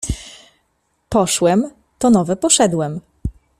Poszłem to nowe poszedłem.